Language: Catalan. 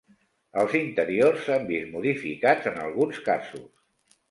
Els interiors s'han vist modificats en alguns casos.